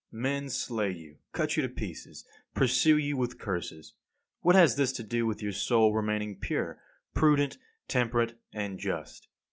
Men slay you, cut you to pieces, pursue you with curses. What has this to do with your soul remaining pure, prudent, temperate, and just?